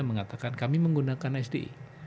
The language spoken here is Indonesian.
mengatakan kami menggunakan sde